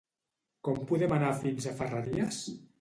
Com podem anar fins a Ferreries?